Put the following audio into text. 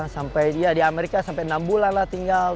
sampai ya di amerika sampai enam bulan lah tinggal